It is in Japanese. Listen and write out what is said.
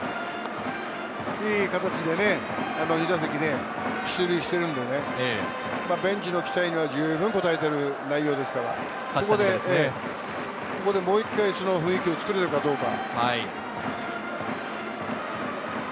いい形で２打席出塁してるので、ベンチの期待には十分応えている内容ですから、ここでもう一回、雰囲気をつくれるかどうか。